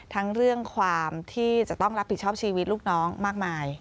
ทั้งเรื่องความที่จะต้องรับผิดชอบชีวิตลูกน้องมากมาย